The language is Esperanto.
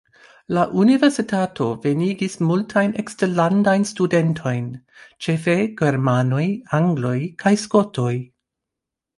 La universitato venigis multajn eksterlandajn studentojn, ĉefe germanoj, angloj kaj skotoj.